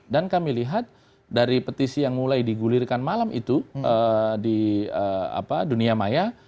dan kami lihat dari petisi yang mulai digulirkan malam itu di dunia maya